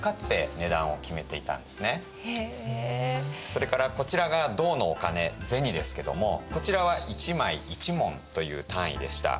それからこちらが銅のお金銭ですけどもこちらは１枚１文という単位でした。